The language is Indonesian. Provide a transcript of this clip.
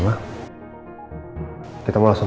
dulu ku bijak dan udah sebel